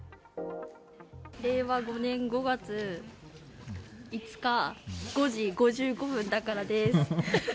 令和５年５月５日５時５５分だからです。